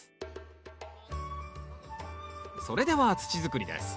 それでは土づくりです。